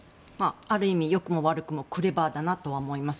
ある意味良くも悪くもクレバーだなとは思います。